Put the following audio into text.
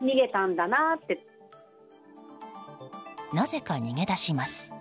なぜか逃げ出します。